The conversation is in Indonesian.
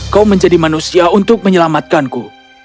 kau menjadi manusia untuk menyelamatkanku